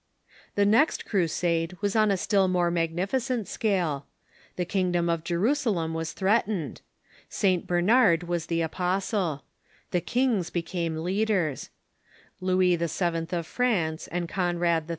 The next Crusade was on a still more magnificent scale. The kingdom of Jerusalem was threatened. St. Bernard was the apostle. The kings became leaders. Louis VII. of France and Conrad III.